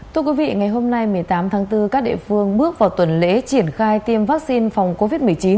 thưa quý vị ngày hôm nay một mươi tám tháng bốn các địa phương bước vào tuần lễ triển khai tiêm vaccine phòng covid một mươi chín